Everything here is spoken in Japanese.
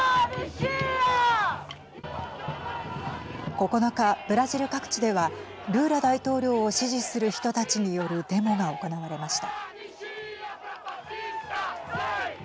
９日ブラジル各地ではルーラ大統領を支持する人たちによるデモが行われました。